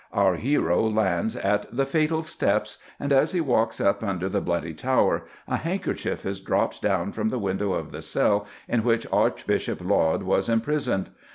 Our hero lands at the fatal steps, and as he walks up under the Bloody Tower a handkerchief is dropped down from the window of the cell in which Archbishop Laud was imprisoned.